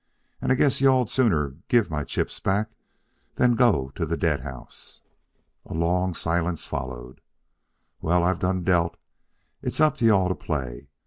And I guess you all'd sooner give my chips back than go to the dead house." A long silence followed. "Well, I've done dealt. It's up to you all to play.